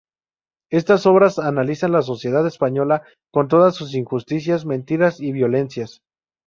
Estas obras analizan la sociedad española con todas sus injusticias, mentiras y violencias.